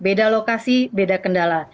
beda lokasi beda kendala